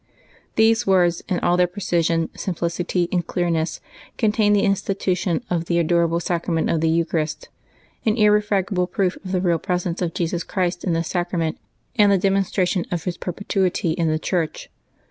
These words, in all their precision, simplicity, and clearness, contain the institution of the adorable Sacrament of the Eucharist, an irrefragable proof of the Eeal Presence of Jesus Christ in this sacrament, and the demonstration of His perpetuity in the Church.